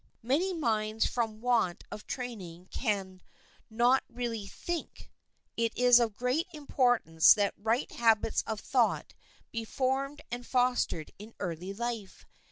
Many minds from want of training can not really think. It is of great importance that right habits of thought be formed and fostered in early life.